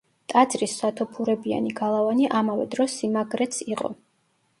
ტაძრის სათოფურებიანი გალავანი ამავე დროს სიმაგრეც იყო.